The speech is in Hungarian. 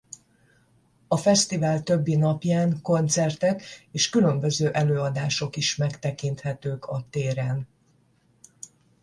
A fesztivál többi napján koncertek és különböző előadások is megtekinthetők a téren.